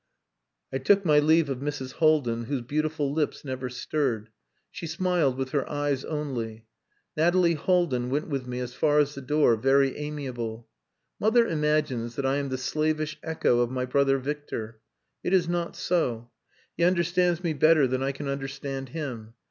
I took my leave of Mrs. Haldin, whose beautiful lips never stirred. She smiled with her eyes only. Nathalie Haldin went with me as far as the door, very amiable. "Mother imagines that I am the slavish echo of my brother Victor. It is not so. He understands me better than I can understand him.